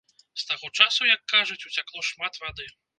З таго часу, як кажуць, уцякло шмат вады.